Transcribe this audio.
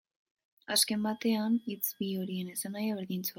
Azken batean, hitz bi horien esanahia berdintsua da.